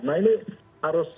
nah ini harus